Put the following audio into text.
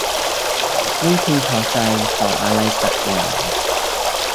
ไม่พึงพอใจต่ออะไรสักอย่าง